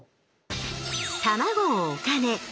卵をお金